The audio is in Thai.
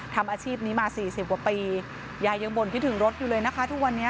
ทำอาชีพนี้มาสี่สิบกว่าปียายยังบ่นคิดถึงรถอยู่เลยนะคะทุกวันนี้